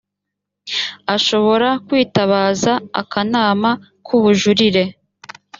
ashobora kwitabaza akanama k ubujurire